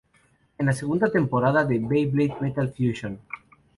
Es la segunda temporada de "Beyblade Metal Fusion".